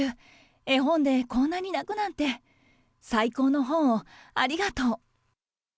絵本でこんなに泣くなんて、最高の本をありがとう。